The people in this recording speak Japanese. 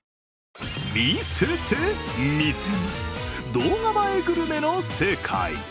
動画映えグルメの世界。